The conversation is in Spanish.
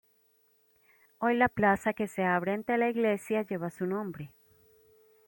Hoy la plaza que se abre ante la iglesia lleva su nombre.